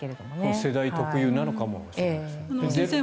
世代特有なのかもしれないと。